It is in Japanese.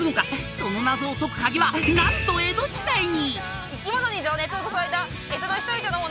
その謎を解くカギはなんと江戸時代に！